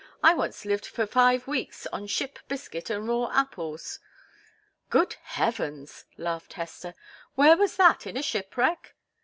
"I once lived for five weeks on ship biscuit and raw apples." "Good heavens!" laughed Hester. "Where was that? In a shipwreck?"